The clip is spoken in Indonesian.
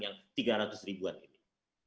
yang tiga ratus ribuan ini